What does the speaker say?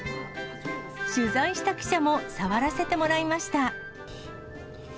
取材した記者も触らせてもらいました。